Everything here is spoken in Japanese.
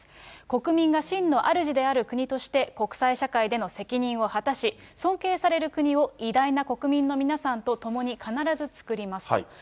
国民が真のあるじである国として国際社会での責任を果たし、尊敬される国を偉大な国民の皆さんと共に必ずつくりますと。